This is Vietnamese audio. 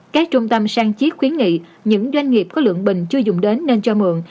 các trung tâm sang chiếc khuyến nghị những doanh nghiệp có lượng bình chưa dùng đến nên cho mượn